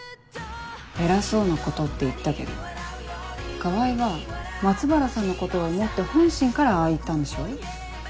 偉そうなことって言ったけど川合は松原さんのことを思って本心からああ言ったんでしょ？